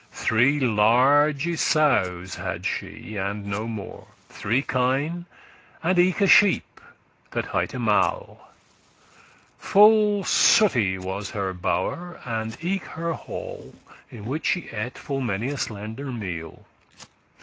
*maintained Three large sowes had she, and no mo'; Three kine, and eke a sheep that highte Mall. Full sooty was her bow'r,* and eke her hall, *chamber In which she ate full many a slender meal.